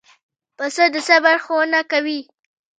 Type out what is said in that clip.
پسه د صبر ښوونه کوي.